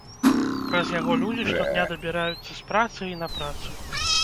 Праз яго людзі штодня дабіраюцца з працы і на працу.